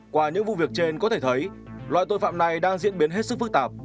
qua những vụ việc trên có thể thấy loại tội phạm này đang diễn biến hết sức phức tạp